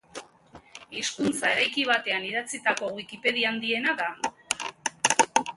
Hizkuntza eraiki batean idatzitako Wikipedia handiena da.